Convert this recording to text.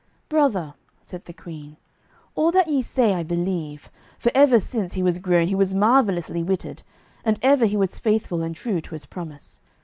"Brother," said the queen, "all that ye say I believe, for ever since he was grown he was marvellously witted, and ever he was faithful and true to his promise.